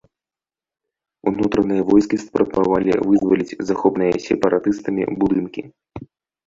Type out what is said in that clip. Унутраныя войскі спрабавалі вызваліць захопленыя сепаратыстамі будынкі.